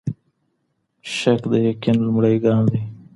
شک د يقين لومړی ګام دی.